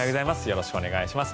よろしくお願いします。